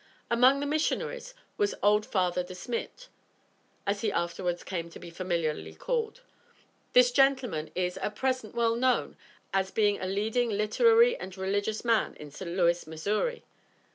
Among the missionaries was "Old Father De Smidt," as he afterwards came to be familiarly called. This gentleman is at present well known as being a leading literary and religious man at St. Louis, Missouri.